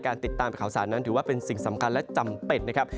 ติดตามข่าวสารนั้นถือว่าเป็นสิ่งสำคัญและจำเป็นนะครับ